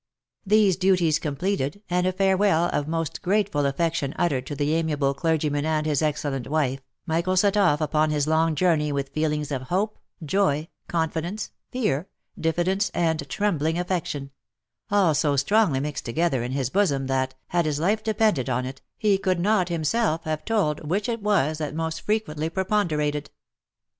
These duties completed, and a farewell of most grateful affection ut tered to the amiable clergyman and his excellent wife, Michael set off upon his long journey with feelings of hope, joy, confidence, fear, diffi dence, and trembling affection, — all so strongly mixed together in his bosom that, had his life depended on it, he could not himself have told which it was that most frequently preponderated.